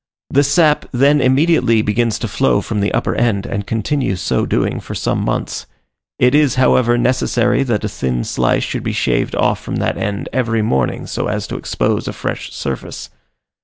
The sap then immediately begins to flow from the upper end, and continues so doing for some months: it is, however, necessary that a thin slice should be shaved off from that end every morning, so as to expose a fresh surface.